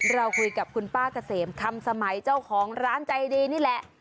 เราคุยกับคุณป้าเกษมคำสมัยเจ้าของร้านใจดีนี่แหละ